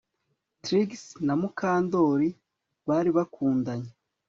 Trix na Mukandoli bari bakundanye